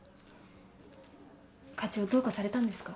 課長どうかされたんですか？